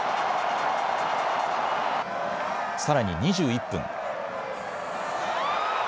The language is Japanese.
さらに２１分。